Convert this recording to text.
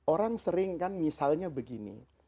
orang sering kan misalnya begini